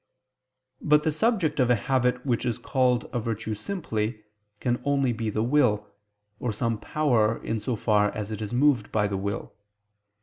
But the subject of a habit which is called a virtue simply, can only be the will, or some power in so far as it is moved by the will.